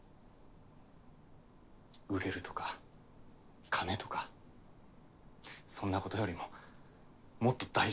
売れるとか金とかそんなことよりももっと大事なことがあるだろ。